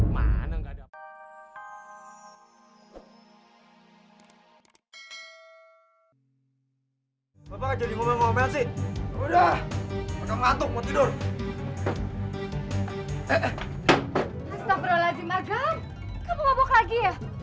mana gak ada